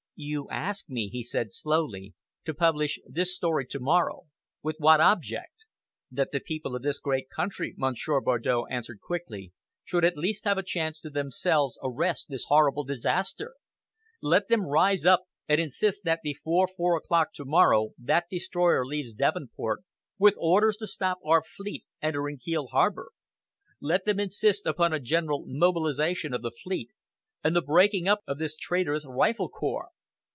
"You ask me," he said slowly, "to publish this story to morrow. With what object?" "That the people of this great country," Monsieur Bardow answered quickly, "should at least have a chance to themselves arrest this horrible disaster. Let them rise up and insist that before four o'clock tomorrow that destroyer leaves Devonport, with orders to stop our fleet entering Kiel harbor. Let them insist upon a general mobilization of the fleet, and the breaking up of this traitorous Rifle Corps.